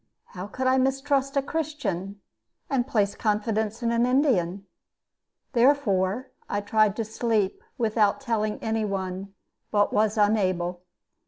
How could I mistrust a Christian, and place confidence in an Indian? Therefore I tried to sleep without telling any one, but was unable.